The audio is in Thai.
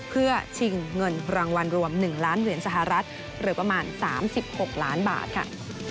เพื่อชิงเงินรางวัลรวม๑ล้านเหรียญสหรัฐหรือประมาณ๓๖ล้านบาทค่ะ